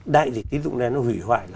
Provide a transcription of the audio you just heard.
đại dịch tín dụng đen nó hủy hoại